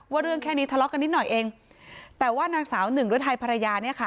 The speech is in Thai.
เรื่องแค่นี้ทะเลาะกันนิดหน่อยเองแต่ว่านางสาวหนึ่งฤทัยภรรยาเนี่ยค่ะ